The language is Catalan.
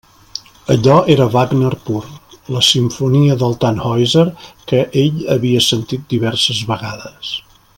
Allò era Wagner pur; la simfonia del Tannhäuser que ell havia sentit diverses vegades.